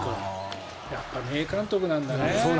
やっぱり名監督なんだね。